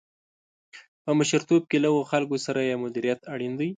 په مشرتوب کې له هغو خلکو سره یې مديريت اړين دی.